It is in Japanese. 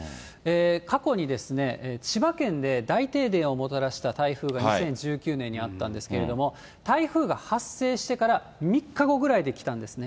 過去に千葉県で大停電をもたらした台風が２０１９年にあったんですけれども、台風が発生してから３日後ぐらいで来たんですね。